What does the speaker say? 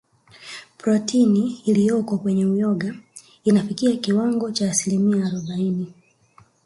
Protini iliyoko kwenye Uyoga inafikia kiwango cha asilimia arobaini